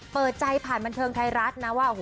เปิดใจผ่านบันเทิงไทยรัฐนะว่า